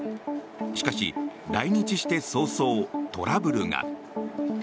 しかし、来日して早々トラブルが。